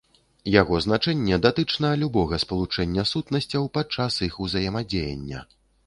Яго значэнне датычна любога спалучэння сутнасцяў падчас іх узаемадзеяння.